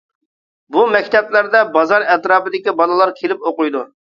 بۇ مەكتەپلەردە بازار ئەتراپىدىكى بالىلار كېلىپ ئوقۇيدۇ.